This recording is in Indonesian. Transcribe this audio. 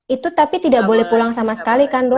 itu tapi tidak boleh pulang sama sekali kan dok